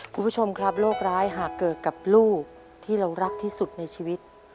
คุณผู้ชมครับโรคร้ายหากเกิดกับลูกที่เรารักที่สุดในชีวิต